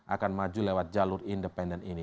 akan maju lewat jalur independen ini